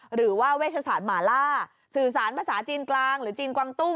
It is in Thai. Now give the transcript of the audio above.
หรือว่าเวชศาสตร์หมาล่าสื่อสารภาษาจีนกลางหรือจีนกวางตุ้ง